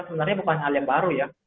sebenarnya bukan hal yang baru ya